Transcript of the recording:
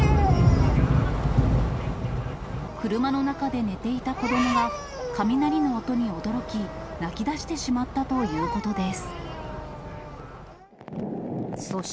車の中で寝ていた子どもが、雷の音に驚き、泣きだしてしまったということです。